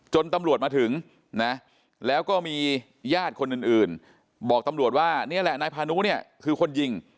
ตำรวจมาถึงนะแล้วก็มีญาติคนอื่นบอกตำรวจว่านี่แหละนายพานุเนี่ยคือคนยิง